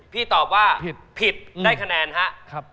ตอบว่าผิดได้คะแนนครับ